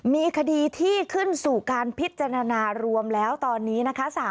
มีคดีที่ขึ้นสู่การพิจารณารวมแล้วตอนนี้นะคะ